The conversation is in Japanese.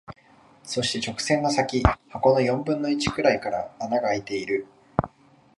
そして、直線の先、箱の四分の一くらいから穴が空いている。